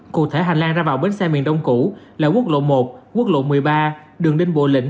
cụ thể hành lang ra vào bến xe miền đông cũ là quốc lộ một quốc lộ một mươi ba đường đinh bộ lĩnh